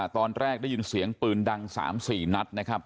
ตอนแรกได้ยินเสียงปืนดัง๓๔นัดนะครับ